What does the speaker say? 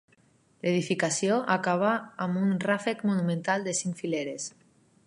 L'edificació acaba amb un ràfec monumental de cinc fileres.